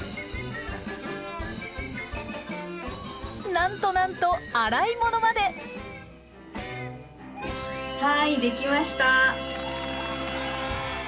なんとなんと洗い物まではい出来ました！